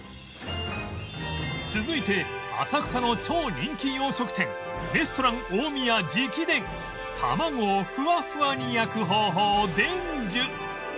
続いて浅草の超人気洋食店レストラン大宮直伝卵をふわふわに焼く方法を伝授